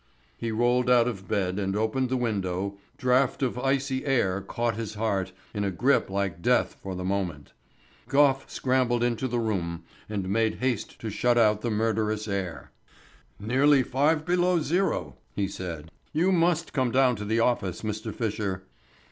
He rolled out of bed, and opened the window, draught of icy air caught his heart in a grip like death for the moment. Gough scrambled into the room, and made haste to shut out the murderous air. "Nearly five below zero," he said. "You must come down to the office, Mr. Fisher."